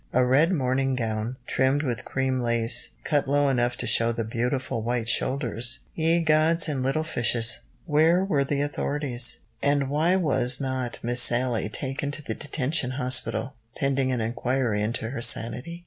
A red morning gown, trimmed with cream lace, cut low enough to show the "beautiful white shoulders" ye gods and little fishes! Where were the authorities, and why was not "Miss Sallie" taken to the detention hospital, pending an inquiry into her sanity?